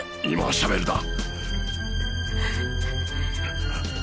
今はしゃべるな！